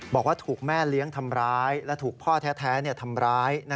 บอกว่าถูกแม่เลี้ยงทำร้ายและถูกพ่อแท้ทำร้าย